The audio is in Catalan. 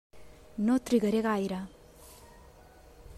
No trigaré gaire.